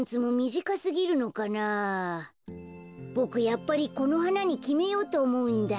やっぱりこのはなにきめようとおもうんだ。